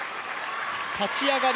立ち上がり